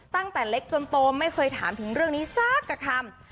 ตั้งแต่เล็กจนโตไม่เคยถามถึงเรื่องนี้สักกับคำ